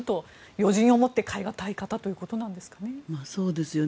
余人をもって代えがたい方ということなんですかね。